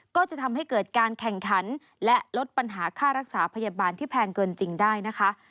ก็จะทำให้เกิดการแข่งขันและลดปัญหาค่ารักษาพยาบาลที่แพงเกินจริงได้นะคะ